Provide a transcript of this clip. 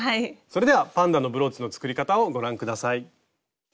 それではパンダのブローチの作り方をご覧下さい。